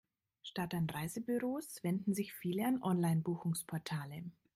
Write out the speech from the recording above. Statt an Reisebüros wenden sich viele an Online-Buchungsportale.